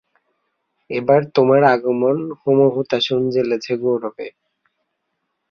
এবার তোমার আগমন হোমহুতাশন জ্বেলেছে গৌরবে।